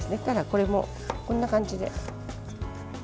これも、こんな感じで。